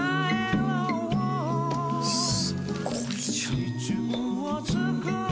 すごいじゃん。